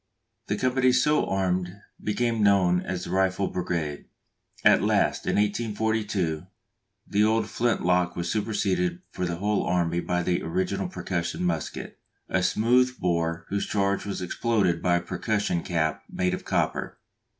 The companies so armed became known as the Rifle Brigade. At last, in 1842, the old flint lock was superseded for the whole army by the original percussion musket, a smooth bore whose charge was exploded by a percussion cap made of copper.